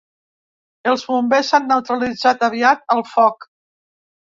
Els bombers han neutralitzat aviat el foc.